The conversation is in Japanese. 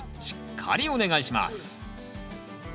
しっかりお願いします